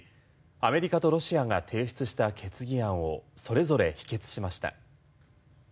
アメリカとロシアが提出した決議案をそれぞれ否決しました。